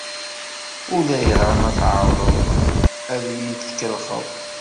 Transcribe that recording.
Ulayɣer ma tɛerḍeḍ ad iyi-tkellxeḍ.